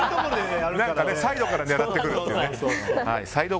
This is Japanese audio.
サイドから狙ってくるっていうね。